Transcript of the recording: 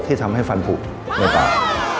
ที่ทำให้ฟันผูกในปาก